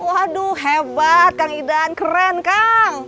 waduh hebat kang idang keren kang